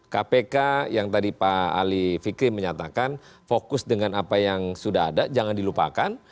kpk yang tadi pak ali fikri menyatakan fokus dengan apa yang sudah ada jangan dilupakan